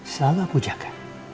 selalu aku jaga